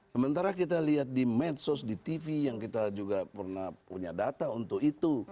sementara kita lihat di medsos di tv yang kita juga pernah punya data untuk itu